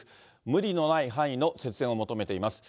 無理のない範囲の節電を求めています。